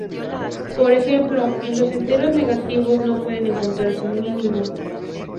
Por ejemplo, en los enteros negativos no puede encontrarse un mínimo.